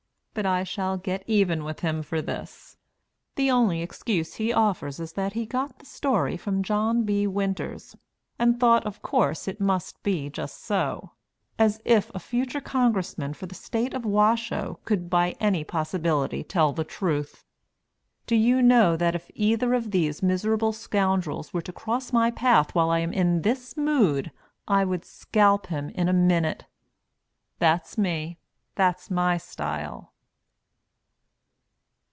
But I shall get even with him for this. The only excuse he offers is that he got the story from John B. Winters, and thought of course it must be just so as if a future Congressman for the state of Washoe could by any possibility tell the truth! Do you know that if either of these miserable scoundrels were to cross my path while I am in this mood I would scalp him in a minute? That's me that's my style.